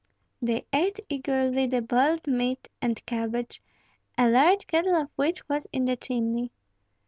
They ate eagerly the boiled meat and cabbage, a large kettle of which was in the chimney.